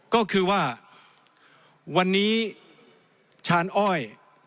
ก็คือว่าวันนี้ชานอ้อย